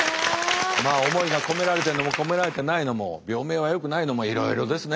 まあ思いが込められてるのも込められてないのも病名はよくないのもいろいろですね。